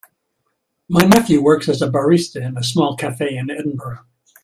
My nephew works as a barista in a small cafe in Edinburgh.